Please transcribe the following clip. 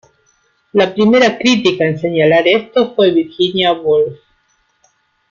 La primera crítica en señalar esto fue Virginia Woolf.